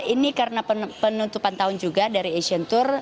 ini karena penutupan tahun juga dari asian tour